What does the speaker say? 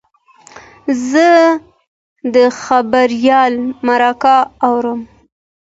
زه د خبریال مرکه اورم.